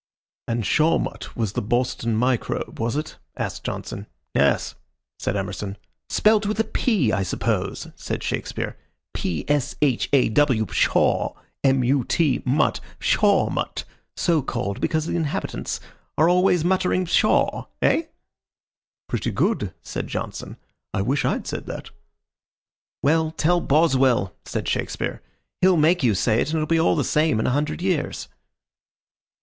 "And Shawmut was the Boston microbe, was it?" asked Johnson. "Yes," said Emerson. "Spelt with a P, I suppose?" said Shakespeare. "P S H A W, Pshaw, M U T, mut, Pshawmut, so called because the inhabitants are always muttering pshaw. Eh?" "Pretty good," said Johnson. "I wish I'd said that." "Well, tell Boswell," said Shakespeare. "He'll make you say it, and it'll be all the same in a hundred years."